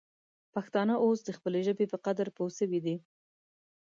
پښتانه اوس د خپلې ژبې په قدر پوه سوي دي.